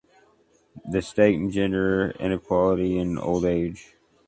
The State and Gender Inequality in Old Age.